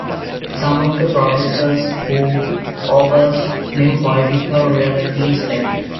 Some of the professors who opposed new political realities left.